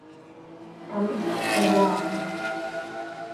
咁即係話...